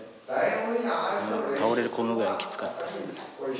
倒れ込むぐらいにきつかったっすね